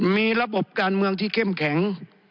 มีระบบการเมืองที่เข้มแข็ง